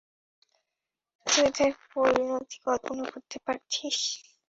তুই তার পরিণতি কল্পণা করতে পারছিস?